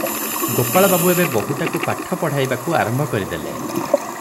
ଗୋପାଳବାବୁ ଏବେ ବୋହୂଟାକୁ ପାଠ ପଢ଼ାଇବାକୁ ଆରମ୍ଭ କରି ଦେଲେ ।